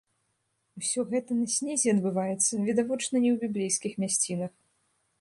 Усё гэта на снезе адбываецца, відавочна не ў біблейскіх мясцінах.